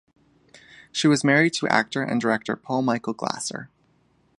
She was married to actor and director Paul Michael Glaser.